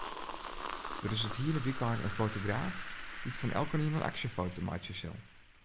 Der is it hiele wykein in fotograaf dy't fan elkenien in aksjefoto meitsje sil.